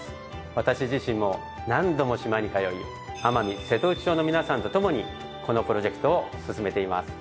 私自身も何度も島に通い奄美瀬戸内町の皆さんと共にこのプロジェクトを進めています。